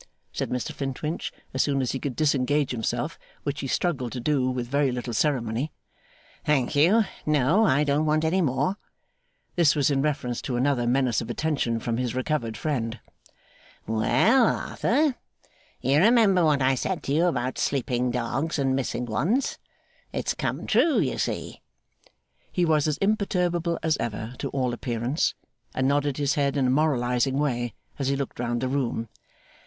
said Mr Flintwinch, as soon as he could disengage himself, which he struggled to do with very little ceremony. 'Thank you, no; I don't want any more.' This was in reference to another menace of attention from his recovered friend. 'Well, Arthur. You remember what I said to you about sleeping dogs and missing ones. It's come true, you see.' He was as imperturbable as ever, to all appearance, and nodded his head in a moralising way as he looked round the room.